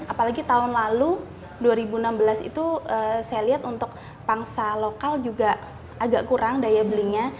apalagi tahun lalu dua ribu enam belas itu saya lihat untuk pangsa lokal juga agak kurang daya belinya